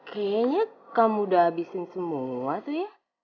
kayaknya kamu udah habisin semua tuh ya